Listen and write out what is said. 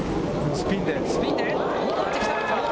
スピンで戻ってきた！